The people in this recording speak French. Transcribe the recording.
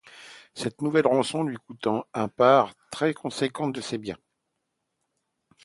Cette nouvelle rançon lui couta une part très conséquente de ses biens.